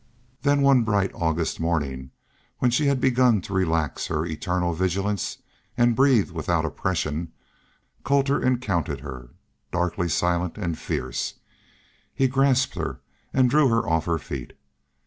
Then one bright August morning, when she had just begun to relax her eternal vigilance and breathe without oppression, Colter encountered her and, darkly silent and fierce, he grasped her and drew her off her feet.